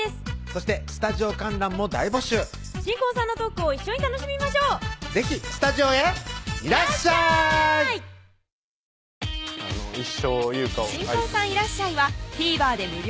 そしてスタジオ観覧も大募集新婚さんのトークを一緒に楽しみましょう是非スタジオへいらっしゃい新婚さんいらっしゃい！はＴＶｅｒ